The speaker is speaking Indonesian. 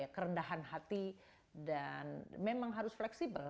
kerendahan hati dan memang harus fleksibel